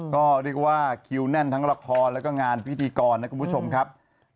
ก็เรียกว่าคิวแน่นทั้งละครแล้วก็งานพิธีกรนะคุณผู้ชมครับ